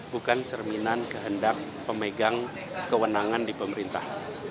bukan cerminan kehendak pemegang kewenangan di pemerintah